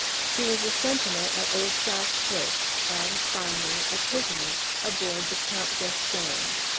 He was a sentinel at Old South Church, and finally, a prisoner aboard the Count d'Estang."